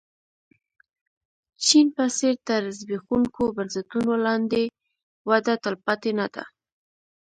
چین په څېر تر زبېښونکو بنسټونو لاندې وده تلپاتې نه ده.